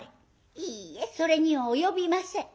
「いいえそれには及びません。